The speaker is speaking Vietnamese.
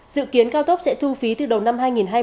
dự kiến cao tốc sẽ thu phí từ đầu năm hai nghìn hai mươi